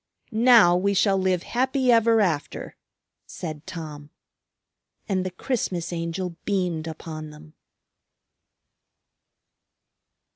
"Now we shall live happy ever after," said Tom. And the Christmas Angel beamed upon them.